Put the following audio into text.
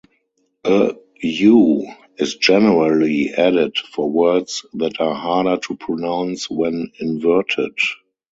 A "u" is generally added for words that are harder to pronounce when inverted.